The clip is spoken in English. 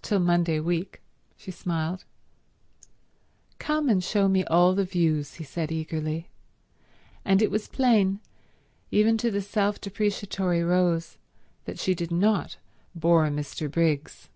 "Till Monday week," she smiled. "Come and show me all the views," he said eagerly; and it was plain, even to the self depreciatory Rose, that she did not bore Mr. Briggs.